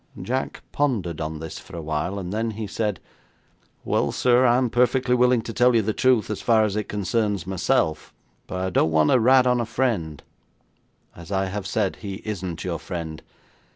Jack pondered on this for a while, then he said: 'Well, sir, I'm perfectly willing to tell you the truth as far as it concerns myself, but I don't want to rat on a friend.' 'As I have said, he isn't your friend.